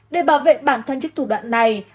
để bảo vệ bản thân chiếc thủ đoạn này